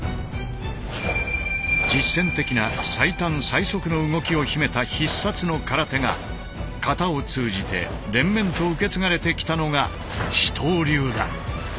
実戦的な最短・最速の動きを秘めた必殺の空手が形を通じて連綿と受け継がれてきたのが糸東流だ。